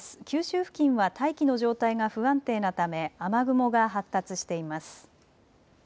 九州付近は大気の状態が不安定なため雨雲が発達しています。